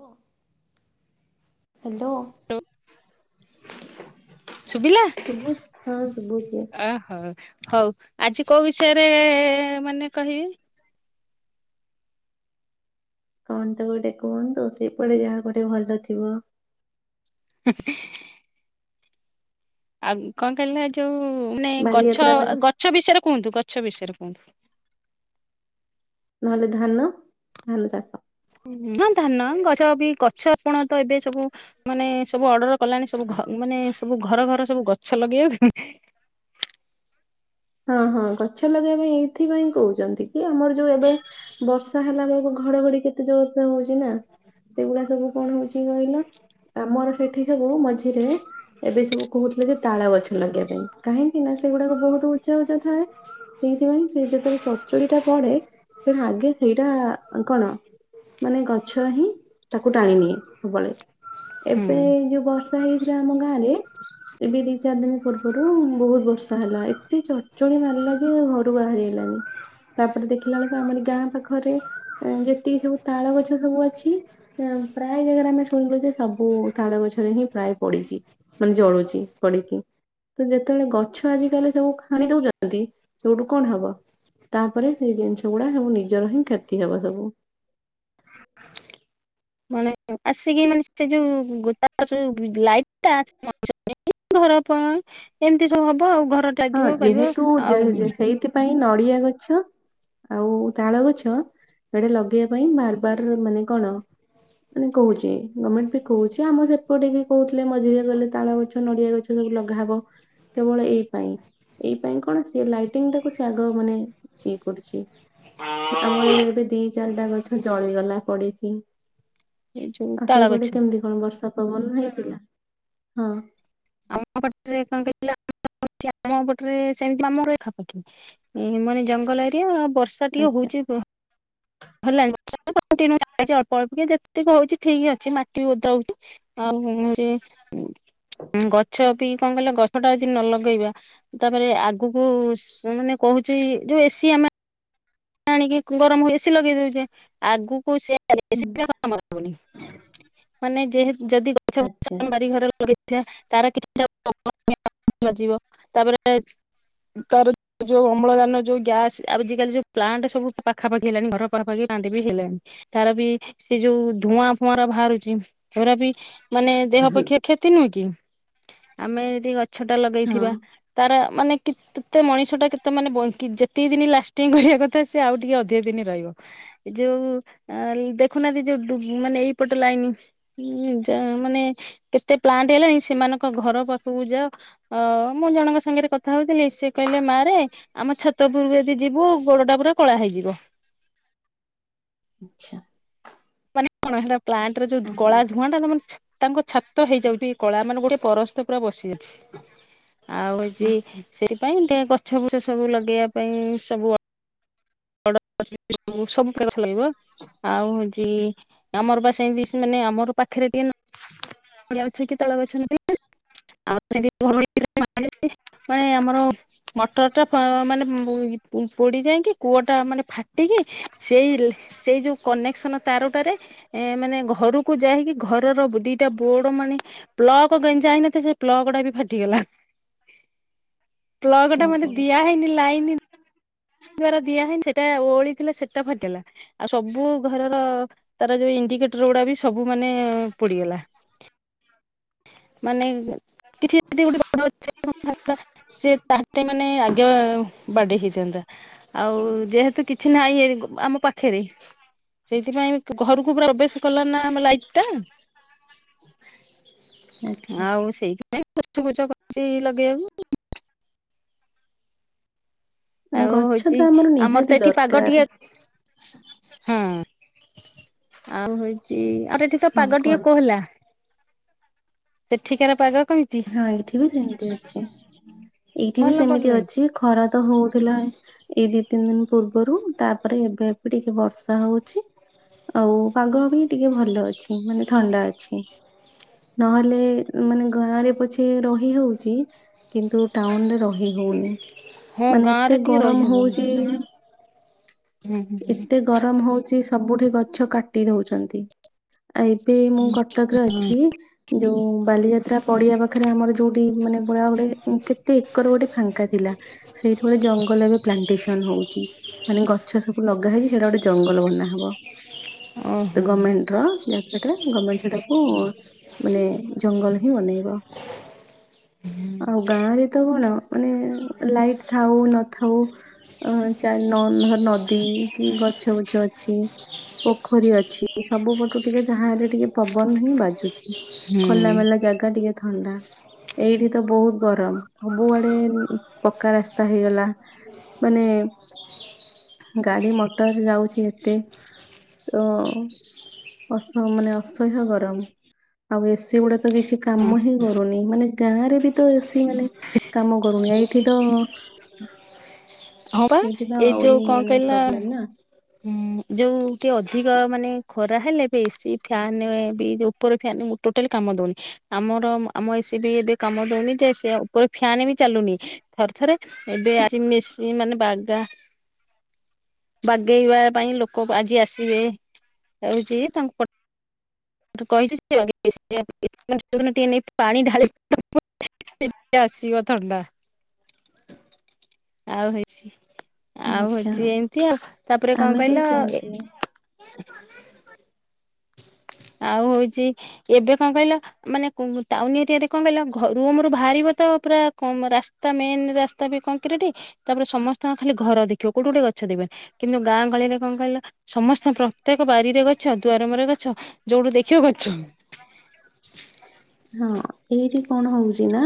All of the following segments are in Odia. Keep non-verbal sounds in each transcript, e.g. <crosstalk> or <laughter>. ହଁ। ହ୍ୟାଲୋ ଶୁଭିଲା ସୁବୁଛି ହଁ ସୁବୁଛି। ଅହୋ ହଉ। ଆଜି କୋଉ ବିଷୟରେ ବେ ମାନେ କହିବି? କଣ ତ ଗୋଟେ କୁହନ୍ତୁ ସେପଟେ ଯାହା ଗୋଟେ ଭଲ ଥିବ। <inaudible> ଆଉ କଣ କହିଲା ଯୋଉ ନାଇଁ ଗଛ ବାଲିଯାତ୍ରା ପାଇଁ ଗଛ ବିଷୟରେ କୁହନ୍ତୁ ଗଛ ଛ ବିଷୟରେ କିନ୍ତୁ ନହେଲେ ଧାନ ଧାନ ଚାପ ହଁ ଧାନ ଗଛ ବି ଗଛ ଆପଣ ତ ଏବେ ସବୁ ମାନେ ସବୁ ଅର୍ଡର କଲାଣି ସବୁ ମାନେ ସବୁ ଘର ଘର ସବୁ ଗଛ ଲଗେଇବା ହଁ ହଁ ଗଛ ଲଗେଇବା ପାଇଁ ଏଇଥିପାଇଁ କହୁଛନ୍ତି କି ଆମର ଯୋଉ ଏବେ ବର୍ଷା ହେଲା ବେଳକୁ ଘଡଘଡି କେତେ ଜୋର ହଉଛି। ସେଗୁଡା ସବୁ କଣ ହଉଛି କହିଲ ଆମର ସେଠି ସବୁ ମଝିରେ ଏବେ ସବୁ କହୁଥିଲେ ଯେ ତାଳ ଗଛ ଲଗେଇବା ପାଇଁ କାହିଁକି ନା ସେଗୁଡାକ ବହୁତ ଛ ଥାଏ ସେଇଥିପାଇଁ ସେ ଯେତେବେଳେ ଚଚୁଡି ଟା ପଡେ ସେ ଆଗେ ସେଇଟା କଣ ମାନେ ଗଛ ହିଁ ତାକୁ ଟାଣି ନିିଏ ସବୁବେଳେ। ହୁଁ। ଏବେ ଯୋଉ ବର୍ଷ ହେଇଥିରେ ଆମ ଗାଁ ରେ ଏବେ ଦି ଚାରି ଦିନ ପୂର୍ବରୁ ବହୁତ ବର୍ଷା ହେଲା ଏତେ ଚଡ ଚଡ଼ି ମାରିଲା ଯେ ଘରୁ ବାହାରି ହେଲାନି ତାପରେ ଦେଖିଲା ବେଳକୁ ଆମର ଗାଁ ପାଖରେ ଯେତିକି ସବୁ ତାଳ ଗଛ ସବୁ ଅଛି ପ୍ରାୟ ଜାଗାରେ ଆମେ ଶୁଣିଲୁ ଯେ ସବୁ ତାଳ ଗଛରେ ହିଁ ପ୍ରାୟ ପଡିଛି। ମାନେ ଜଳୁଛି ପିଡିକି। ତ ଯେତେବେଳେ ଗଛ ଆଜିକାଲି ସବୁ ଖାଣି ଦଉଛନ୍ତି ସେଇଠୁ କଣ ହବ ତାପରେ ସେଇ ଜିନିଷ ଗୁଡା ସବୁ ନିଜର ହିଁ କ୍ଷତି ହବ ସବୁ। ମାନେ ଆସିକି ମାନେ ସେ ଯୋଉ <unintelligible> ଲାଇଟ ଘର ଏମିତି ସବୁ ହବ ଆଉ ଘ ହଁ ଯେହେତୁ ଯେହୁ ସେଇଥିପାଇଁ ନଡିଆ ଗଛ ଆଉ ତାଳ ଗଛ ଏଡେ ଲଗେଇବା ପାଇଁ ବାର ବାର ମାନେ କଣ ମାନେ କହୁଛି ଗମେଣ୍ଟ ବି କହୁଛି ଆମର ସେପଟେ ବି କହୁଥିଲେ ମଝିରେ ଗଲେ ତାଳ ଗଛ ନଡିଆ ଗଛ ସବୁ ଲଗାହବ କେବଳ ଏଇ ପାଇଁ ଏଇ ପାଇଁ କ କଣ ସେ ଲାଇଟିଙ୍ଗ ଟାକୁ ସେ ଆଗ ମାନେ ଇଏ କରୁଛି ଆମର ଏବେ ଦି ଚାରିଟା ଗ ଗଛ ଜଳିଗଲା ପଡିକି। ଏଇ ଯୋଉ ଆଉ ତାଳ ସେଇପଟେ ଗଛ। କେମିତି କଣ ବର୍ଷା ପବନ ହେଇଥିଲା ହଁ। ଆମଟରେ <inaudible> ସେମିତି ଆମର <unintelligible> ମାନେ ଜଙ୍ଗଲ ଏରିଆ ବର୍ଷା ଟିକେ ଆଚ୍ଛା ହଉଛି ପ ହେଲାଣି <inaudible> ଅଳ୍ପ ଅଳ୍ପ କି ଯେତିକି ହଉଛି ଠିକ ଅଛି ମାଟି ବି ଓଦଉଛି ଆଉ ଗଛ ବି କଣ କଲ ଗଛ ଟା ଯଦି ନ ଲଗେଇବା ତାପରେ ଆଗକୁ ଶୁଣୁନ କହୁଛି ଯୋଉ ଏସି ଆମେ ଆଣିକି କୁଲଲ ଆମେ ଏସି ଲଗେଇ ଦଉଛେ ଆଗକୁ ସେ ହୁଁ <unintelligible> ଯଦି ଗଛ ବ ଆଚ୍ଛା ଆ ବାରିଘରେ ଲଗେଇଥିବା। ତାର କିଛିଟ <inaudible> ବାିବ ତାପରେ ତାର ଯୋଉ ଅମ୍ଳଜାନ ଯୋଉ ଗ୍ୟାସ୍ ଆଜିକାଲି ଯୋଉ ପ୍ଲାଣ୍ଟ ସବୁ ପାଖାପାଖି ହେଲାଣି ଘର ପାଖାପାଖି ପ୍ଲାଣ୍ଟ ବି ହେଲାଣି ତାର ବି ସେ ଯୋଉ ଧୂଆଁ ଫୁଆଁ ର ବାହାରୁଛି ହେରା ବି ମାନେ ଦେହ ପକ୍ଷେ କ୍ଷତି ନୁହେଁ କି? ଆମେ ଯଦି ଗଛ ଗଛ ଟା ଆଚ୍ଛା ଲଗେଇଥିବା ହଁ ତାର ମାନେ କି କେତେ ମଣିଷ ଟା କେତେ ମାନେ ବଙ୍କ ଯେତିକି ଦିନ ଲାଷ୍ଟିଂ କରିବ। କଥା ସେ ଆଉ ଟିକେ ଅଧିକ ଦିନ ରହିବ ଯୋଉ ଦେଖୁନାହାନ୍ତି ଯୋଉ ମାନେ ଏଇପଟ ଲାଇନ ଯ ମାନେ କେତେ ପ୍ଲାଣ୍ଟ ହେଲାଣି ସେମାନଙ୍କ ଘର ପାଖକୁ ଯାଅ ମୁଁ ଜଣଙ୍କ ସାଙ୍ଗରେ କଥା ହଉଥିଲି ସେ କହିଲେ ମା ରେ ଆମ ଛାତଉପରକୁ ଯଦି ଯିବ ଗୋଡ ଟା ପୁରା କଳା ହେଇଯିବ। ଆଛା। ମାନେ କଣ ହେଲା? ପ୍ଲାଣ୍ଟରେ ଯୋଉ କଳା ଆଚ୍ଛା ଧୂୁଆଁ ଟା ତମର ତାଙ୍କ ଛାତ ହେଇଯାଉଛି। କଳା ମାନେ ଗୋଟେ ପରସ୍ତ ପୁରା ବସି ଯାଇଛି ଆଉ ହେଉଛି ଆଚ୍ଛା, ସେଥିପାଇଁ ଗଛ ଫୁଛ ସବୁ ଲଗେଇବା ପାଇଁ ସବୁ ସବୁ <unintelligible> ଲାଗିବ ଆଉ ହେମିତି ଆମର ବା ସେମତି ମାନେ ଆମର ପାଖରେ ଟିକେ <inaudible> ତଳ ଅଛ। <inaudible> ଆଉ ମାନେ ଆମର ମଟର ଟା ମାନେ ପୋଡି ଯାଇକି କୂଅଟା ମାନେ ଫାଟିକି ସେଇ ସେଇ ଯୋଉ କନେକ୍ସନ ତାରଟାରେ ମାନେ ଘରକୁ ଯାଇକି ଘରର ଦିଟା ବୋର୍ଡ ମାନେ ପ୍ଲଗ ଗେଞ୍ଜା ହେଇଠୀ ପ୍ଲଗ ଟା ବି ଫାଟିଗଲା ପ୍ଲଗ ଟା ମାନେ ଓହୋ ଦିଆ ହେଇନି ଲାଇନି ଦ୍ଵାରା ଦିଆହେଇନି ସେଟା ଓଳିଥିଲା ସେଟା ଫାଟିଲା ଆଉ ସବୁ ଘରର ତାର ଯୋଉ ଇଣ୍ଡିକେଟର ଗୁଡା ବି ସବୁ ମାନେ ପୋଡିଗଲା। ମାନେ କିଛି ଯି ଗୋୟେସେ <inaudible> ତା ମାନେ ଆଗେ ବାଡି ହେଇଥାନ୍ତା ଆଉ ଯେହେତୁ କିଛି ନାହିଁ ଆମ ପାଖରେ ସେଇଥିପାଇଁ ଘରକୁ ପୁରା ପ୍ରବେଶ କଲା ନା ଆମ ଲାଇଟ ଟା ଆଚ୍ଛା ଆଉ ସେଇଥି ପାଁୟୀ ପଛ ଫଛ କରି ଲଗେଇବାକୁ ଆଉ ଗଛ ହଉଛି ତ ଆମର ତ ନିହାତି ଏଠି ପାଗ ଟିକେ ଦରକାର ହଁ ଆଉ ହଉଛି। ଆର ଏଠି ତ ହଁ ପାଗ ଟିକେ କୁହନ୍ତୁ କୋହ ହେଲା। ସେଠିକାର ପାଗ କେମିତି? ହଁ ଏଇଠି ବି ସେମିତି ଅଛି। ଏଇଠି ବି ଭଲ ପାଗ ସେମିତି ହେଇଛି ଅଛି ଖରା ତ ହଉଥିଲା ଏଇ ଦିଇ। ତିନି ଦିନ ପୂର୍ବରୁ ତାପରେ ଏବେ ଏବେ ଟିକେ ବର୍ଷା ହଉଛି। ଆଉ ପାଗ ଅପେକ୍ଷା ଟିକେ ଭଲ ଅଛି ମାନେ ଥଣ୍ଡା ଅଛି ନହେଲେ ମାନେ। ଗାଁ ରେ ପଛେ ରହି ହେଉଛି କିନ୍ତୁ ଟାଉନ ରେ ରହି ହଉନି। ହଁ ମାନେ ଗାଁ ରେ ଏତେ ଟିକେ ଗରମ ରହିହବନି। ହଉଛି। ଏତେ ଗରମ ହଉଚି ସବୁଠି ଗଛ। କାଟି ଦୋଉଛନ୍ତି। ଏବେ ମୁଁ କଟକରେ ଅଛି ଯୋଉ ବାଲିଯାତ୍ରା ପଡ଼ିଆ ପାଖରେ ଆମର ଯୋଉ। ମାନେ ପୁରା ଗୋଟେ କେତେ ଏକର ଗୋଟେ ଫାଙ୍କା ଥିଲା ସେଇଠି ଗୋଟେ ଜଙ୍ଗଲ ଏବେ ପ୍ଲାନ୍ ଷ୍ଟେସନ ହଉଛି। ମାନେ ଗଛ ସବୁ ଲଗା ହେଇଛି ସେଇଟା ଗୋଟେ ଜଙ୍ଗଲ ବନା ହବ। ଓହୋ ଗମେଟ୍ ର। ସେଟା ଗମେଟ୍ ସେଟାକୁ ମାନେ ଜଙ୍ଗଲ ହିଁ ବନେଇବ। ଆଉ ଗାଁ ରେ ତ କଣ ମାନେ ଲାଇଟ୍ ଥାଉ ନ ଥାଉ। ନ ନଦୀ କି ଗଛ ବୁଛ ଅଛି ପୋଖରୀ ଅଛି ସବୁ ପଟୁ ଟିକେ ଯାହାହେଲେ ଟିକେ ପବନ। ପବନ ହିଁ ବାଜୁଛି ହୁଁ ଖୋଲା ମେଲା ଜାଗା ଟିକେ। ଥଣ୍ଡା ଏଇଠି ତ ବହୁତ ଗରମ ସବୁଆଡେ ପକ୍କା ରାସ୍ତା ହେଇଗଲା ମାନେ। ଗାଡି ମଟର ଯାଉଛି ଏତେ ତ ତାସହ ମାନେ ଅସହ୍ୟ ଗରମ ଆଉ ଏସି ଗୁଡା ତ କିଛି କାମ ହିଁ କରୁନି। ମାନେ ଗାଁ ରେ ବି ତ ଏସି ମାନେ କାମ କରୁନି ଏଇଠି ତ। ହଁ ବା ଏଇଠି ତ ଏଇ ଆହୁରି ଯୋଉ କଣ ମାନେ କହିଲା ପ୍ରୋବ୍ଲେମ ନା ଯୋଉ ଟିକେ ଅଧିକ। ମାନେ ଖରା ହେଲେ ବି ଏସି ଫ୍ୟାନ୍ ଉପର ଫ୍ୟାନ୍ ଟୋଟାଲ କାମ ଦଉନି। ଆମର ଆମ ଏସି ବି ଏବେ କାମ ଦଉନି ଯେ ଉପର ଫ୍ୟାନ୍ ବି ଚାଲୁନି ଥରେ ଥରେ ଏବେ ଆସି ମେସିନ୍ ମାନେ ବାଗା। ବାଗେଇବା ପାଇଁ ଲୋକ ଆଜି ଆସିବେ ହଉଛି ତାଙ୍କୁ। କହି ଦିଅ ଟିକେ ନେଇ ପାଣି ଢାଳି ଆସିବ ଥଣ୍ଡା ଆଉ ହେଇଛି। ଆଉ ଆଚ୍ଛା ହଉଛି ଏମିତି ଆଉ ତାପରେ ଆମେ କଣ ବି କହିଲ ଏ। ସେମିତି <inaudible> ଆଉ ହଉଛି ଏବେ କଣ କହିଲ ମାନେ ଟାଉନ ଏରିଆରେ କଣ କହିଲ ରୁମରୁୁ ବାହାରିବ ତ ପୁରା ରାସ୍ତା ମେନ୍ ରାସ୍ତା ବି କକ୍ରିଟ ତାପରେ ସମସ୍ତଙ୍କ ଖାଲି ଘର ଦେଖିବ କୋଉଠି ଗୋଟେ ଗଛ ଦେଖିବନି କିନ୍ତୁ ଗାଁ ଗହଳି ରେ କଣ କହିଲା ସମସ୍ତ ପ୍ରତ୍ୟେକ ବାରିରେ ଗଛ ଦୁଆରେ ଅମର ଗଛ ଯୋଉଠୁ ଦେଖି ଛି ଗଛ। ହଁ ଏଇଠି କଣ ହଉଛି ନା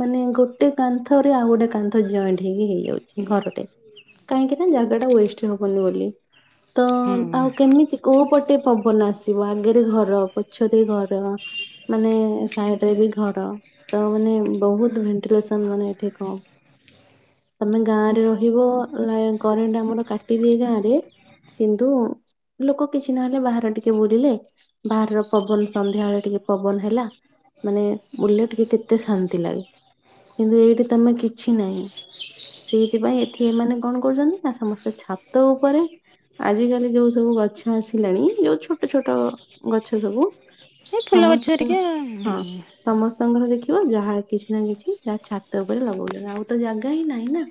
ମାନେ ଗୋଟେ କାନ୍ଥରେ ଆଉ ଗୋଟେ କାନ୍ଥ ଜଏଣ୍ଟ ହେଇକି ହେଇଯାଉଛି। ଘରଟେ କାହିଁକି ନା ଜାଗା ଟା ୱଷ୍ଟ ହବନି ବୋଲି। ତ ହୁଁ। ଆଉ କେମିତି କୋଉ ପଟେ ପବନ ଆସିବ ଆଗରେ ଘର। ସେ ଘର ମାନେ ସାଇଡ ରେ ବି ଘର ତ ମାନେ ବହୁତ ଭେଣ୍ଟିଲେସନ ମାନେ ଏଠି କମ। ତମେ ଗାଁରେ ରହିବ ନା କରେଣ୍ଟ ଆମର କାଟିଦିଏ ଗାଁରେ କିନ୍ତୁ ଲୋକ କିଛି ନହେଲେ ବାହାର ଟିକେ ବୁଲିଲେ ବାହାର ପବନ ସନ୍ଧ୍ୟାବେଳେ ଟିକେ ପବନ ହେଲା ମାନେ ବୁଲିଲେ ଟିକେ କେତେ ଶାନ୍ତି ଲାଗେ କିନ୍ତୁ ଏଇଠି ତମେ କିଛି ନାହିଁ ସେଇଥିପାଇଁ ଏଠି ଏମାନେ କଣ କରୁଛନ୍ତିନା ସମସ୍ତେ ଛାତ ଉପରେ ଆଜିକାଲି ଯୋଉ ସବୁ ଗଛ ଆସିଲାଣି ଯୋଉ ଛୋଟ ଛୋଟ ଏସବୁ ଏ ଫୁଲ ଗଛ ସମସ୍ତ ହେରିକା ହଁ ସମସ୍ତଙ୍କର ଘରେ ଦେଖି ଯାହା କିଛି ନା କିଛି ଯାହା ଛାତ ଉପରେ ଲଗଉଛନ୍ତି ଆଉ। ତ ଜାଗା ହିଁ ନାହିଁ ନା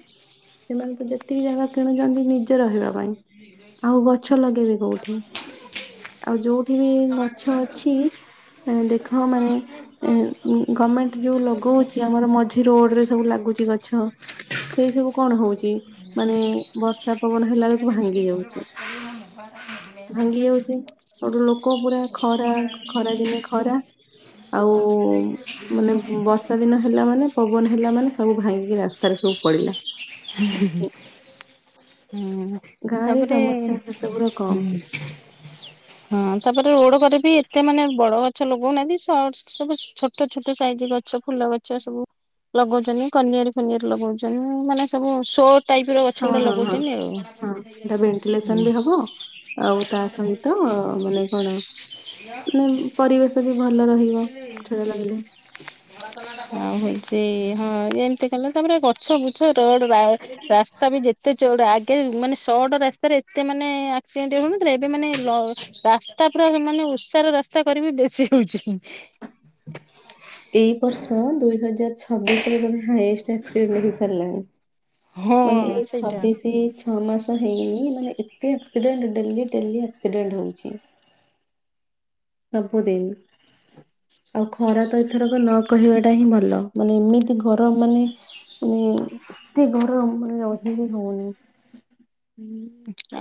ସେମାନେ ତ ଯେତିକି ଜାଗା କିଣୁଛନ୍ତି। ନିଜେ ରହିବା ପାଇଁ ଆଉ ଗଛ ଲଗେଇବେ କୋଉଠି ଆଉ ଯୋଉ ଠି ବି ଗଛ। ଗଛ ଅଛି ଦେଖ ମାନେ ଗମେଟ୍ ଯୋଉ ଲଗଉଛି ଆମର ମଝି ରୋଡ ରେ ସବୁ ଲାଗୁଛି ଗଛ। ସେଇସବୁ କଣ ହଉଛି ମାନେ ବର୍ଷା ପବନ ହେଲାବେଳକୁ ଭାଙ୍ଗି ଯାଉଛି। ଭାଙ୍ଗି ଯାଉଛି ଆଉ ଗୋଟେ ଲୋକ ପୁରା ଖରା ଖରା ଦିନେ ଖରା। ଆଉ ମାନେ ବର୍ଷା ଦିନ ହେଲା ମାନେ ପବନ ହେଲା ମାନେ ସବୁ ଭାଙ୍ଗିକି ରାସ୍ତାରେ ସବୁ ପଳେଇଲା। <unintelligible> ହୁଁ ଗାଁ ରେ ତାପରେ ସମସ୍ୟା ସେ ସବୁର କମ ହଁ ହଁ ତାପରେ ଓଡ କା ବି ଏତେ ମାନେ ବଡ ଗଛ ଲଗଉନାହାନ୍ତି ସଟ୍ ସବୁ ଛୋଟ ଛୋଟ ସାଇଜ ଗଛ ଫୁଲ ଗଛ ସବୁ ଲଗଉଛନ୍ତି କନିଆରି ଫନିଆର ଲଗଉଛନ୍ତି ମାନେ ସବୁ ଶୋ ଟାଇପ ର ଗଛ ହଁ ଗୁଡା ହଁ ହଁ ଲଗୋଉଛନ୍ତି ହଁ ଆଉ। ସେଟା ଭେଣ୍ଟିଲେସନ ହୁଁ ବି ହବ ଆଉ ତା ସହିତ ମାନେ କଣ ମାନେ ପରିବେଶ ବି ଭଲ ରହିବ ଗଛଟା ଲାଗେଲେ। ଆଉ ହଉଛି ସେ ହଁ ଏମିତି କଲା ତାପରେ ଗଛ ବୁଛ ରୋଡ ବା ରାସ୍ତା ବି ଯେତେ ଚଉଡା ଆ ଏ ମାନେ। ସଟ ରାସ୍ତାରେ ଏତେ ମାନେ ଆକ୍ସିଡେଣ୍ଟ ହଉନଥିଲା ଏବେ ମାନେ ରାସ୍ତା ପୁରା ମାନେ ଉସାର ରାସ୍ତା କରିବି ବେଶୀ ହଉଛି। ଏଇ ବର୍ଷ ଦୁଇ ହଜାର ଛ ହାଇଏଷ୍ଟ ଲେଖିସାରିଲାଣି। ହଁ ମାନେ ଏଇ ସେଇଟା ଛବିଶି ଛଅ ମାସ। ହେଇନି ମାନେ ଏତେ ଆକ୍ସିଡେଣ୍ଟ ଡେଲି ଡେଲି ଆକ୍ସିଡେଣ୍ଟ ହଉଛି ସବୁଦିନ ଆଉ ଖରା ତ ଏଥରକ ନ କହିବାଟା ହିଁ ଭଲ ମାନେ ଏମିତି ଗରମ ମାନେ ମାନେ ଏତେ କମ ରହିବି ହଉନି।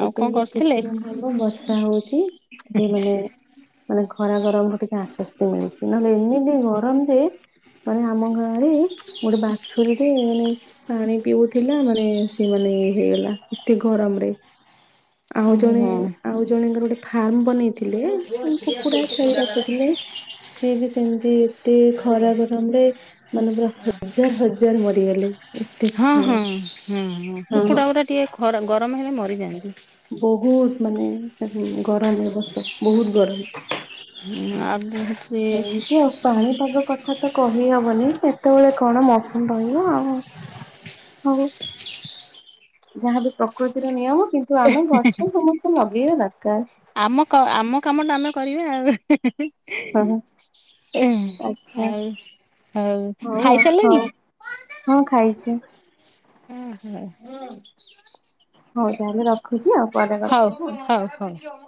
ଆଉ ଏବେ କଣ ହେଇ କରୁଥିଲେ କିଛିଦିନ ହେବ ବର୍ଷା ହଉଛି ଟିକେ ମାନେ ମାନେ ଖରା ଗରମରୁ ଟିକେ ଆଶ୍ଵସ୍ତି ମିଳୁଛି ନହେଲେ ଏମିତି ଗରମ ଯେ ମାନେ ଆମ ଗାଁରେ ଗୋଟେ ବାଛୁରୀଟେ ମାନେ ପାଣି ପିଉ ମାନେ ସେମାନେ ହେଇଗଲା ଏତେ ଗରମ ରେ। ଆଉ ଜଣେ ଓହୋ। ଆଉ ଜଣଙ୍କର ଗୋଟେ ଫାର୍ମ ବନେଇଥିଲେ କୁକୁଡା ଛେଳି ରଖୁଥିଲେ ସିଏ ବି ସେମିତି ଏତେ ଖରା ଗରମରେ ମାନେ ପୁରା ହଜାର ହଜାର ମରିଗଲେ ଏତେ ହଁ ମାନେ ହଁ ହଁ ହଁ ହଁ। କୁକୁଡ଼ା ଗୁରା ଟିକେ ଖରା ଗରମ ହେଲେ ମରିଯାଆନ୍ତି। ବହୁତ ମାନେ ଗରମ ଏ ବର୍ଷ ବହୁତ ଗରମ। ହ <unintelligible> ଏବେତ କହିହବନି କେତେବେଳେ କଣ ମସୁମ ରହିବ ଆଉ ହଉ। ଯାହାବି ପ୍ରକୃତିର ନିୟମ। କିନ୍ତୁ ଆମେ ଗଛ ସମସ୍ତେ ଲଗେଇବା ଦରକାର। ଆମ କ ଆମ କାମ ଟା ଆମେ କରିବା ଆଉ। ହ ଆଛା ଆଉ ହଉ ହଉ ଆଉ ଖାଇସାରିଲେଣି? ହଉ ହଁ ଖାଇଛି। ଓହୋ। ହଉ ତାହେଲ। ରଖୁଛି ଆଉ ପରେ କଥା ହଉ ହବା ହଉ ହଉ। ଆଉ।